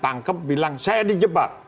ditangkap bilang saya di jebak